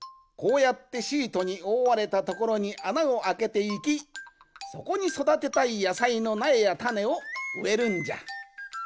こうやってシートにおおわれたところにあなをあけていきそこにそだてたいやさいのなえやたねをうえるんじゃ。